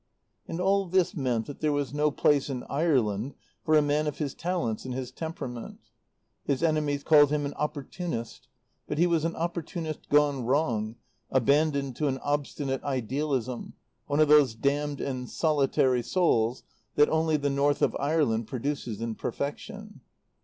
And all this meant that there was no place in Ireland for a man of his talents and his temperament. His enemies called him an opportunist: but he was a opportunist gone wrong, abandoned to an obstinate idealism, one of those damned and solitary souls that only the north of Ireland produces in perfection.